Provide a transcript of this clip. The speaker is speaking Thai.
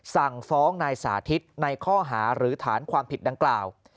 สั่งฟ้องนายสาธิตในข้อหาหรือฐานความผิดดังกล่าว